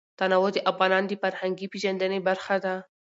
تنوع د افغانانو د فرهنګي پیژندنې برخه ده.